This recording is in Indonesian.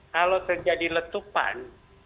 kalau terjadi letupan